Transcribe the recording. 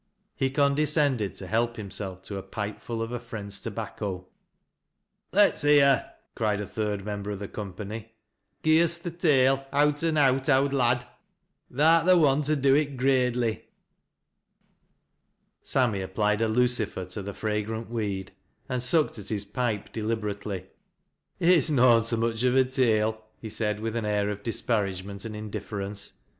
He condescended to help himself to a pipe full of a friend'i tobacco. '' Fict's liear," cried a third member of the companj "OWD SAMMY" IN TROUBLE. Hfi " Gi' UB th' tale owt an' owt, owd lad. Tha'rt tli' one to do it graidely." Sammy applied a lueifer to the fragrant weed, and sucked at his pipe deliberately. " It's noan so much of a tale," he said, with an air of disparagement and indifference.